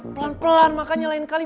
pelan pelan makan yang lain kali